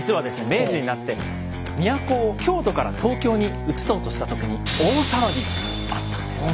明治になって都を京都から東京にうつそうとした時に大騒ぎがあったんです。